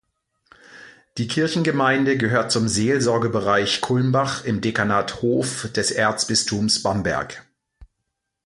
Die Kirchengemeinde gehört zum Seelsorgebereich Kulmbach im Dekanat Hof des Erzbistums Bamberg.